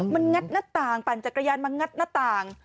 มันงัดหน้าต่างปั่นจักรยานมางัดหน้าต่าง